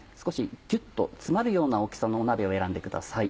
ギュっと詰まるような大きさの鍋を選んでください。